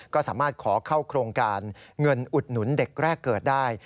ก็สามารถขอเข้าโครงการเงินอุดหนุนเด็กแรกเกิดได้